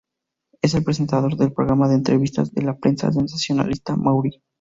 Es el presentador del programa de entrevistas de la prensa sensacionalista "Maury".